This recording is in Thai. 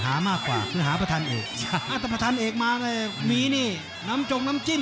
หามากกว่าคือหาประธานเอกแต่ประธานเอกมาเลยมีนี่น้ำจงน้ำจิ้ม